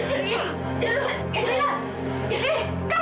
lihat dapur mama